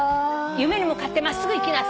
夢に向かって真っすぐ行きなさい。